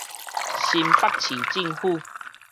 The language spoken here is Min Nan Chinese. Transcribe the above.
新北市政府